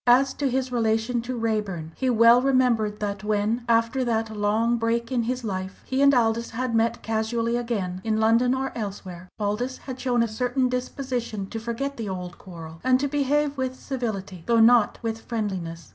As to his relation to Raeburn, he well remembered that when, after that long break in his life, he and Aldous had met casually again, in London or elsewhere, Aldous had shown a certain disposition to forget the old quarrel, and to behave with civility, though not with friendliness.